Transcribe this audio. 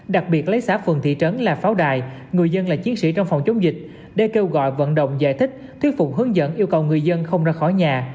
đặc biệt lấy xã phường thị trấn là pháo đài người dân là chiến sĩ trong phòng chống dịch để kêu gọi vận động giải thích thuyết thuyết phục hướng dẫn yêu cầu người dân không ra khỏi nhà